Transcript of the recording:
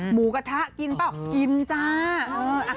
หมูกระทะกินเปล่ากินจ้า